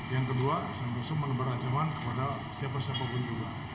yang kedua santoso menyebar ancaman kepada siapa siapapun juga